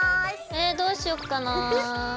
えどうしよっかなぁ。